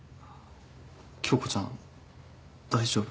恭子ちゃん大丈夫？